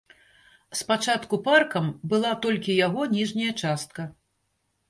Спачатку паркам была толькі яго ніжняя частка.